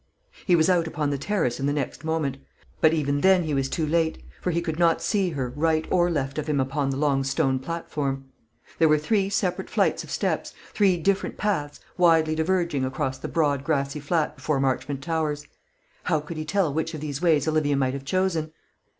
He was out upon the terrace in the next moment; but even then he was too late, for he could not see her right or left of him upon the long stone platform. There were three separate flights of steps, three different paths, widely diverging across the broad grassy flat before Marchmont Towers. How could he tell which of these ways Olivia might have chosen?